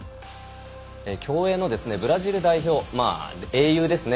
競泳のブラジル代表英雄ですね。